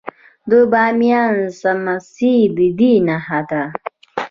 د بامیان سمڅې د دې نښه ده